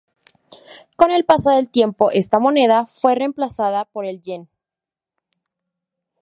Con el paso del tiempo, esta moneda fue reemplazada por el Yen.